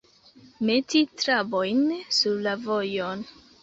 Meti trabojn sur la vojon.